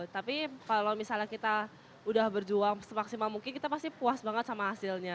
tapi kalau misalnya kita udah berjuang semaksimal mungkin kita pasti puas banget sama hasilnya